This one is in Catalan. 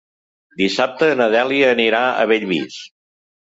Dissabte na Dèlia anirà a Bellvís.